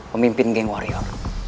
pemimpin geng warior